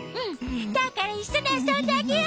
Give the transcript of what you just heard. だからいっしょにあそんであげよう！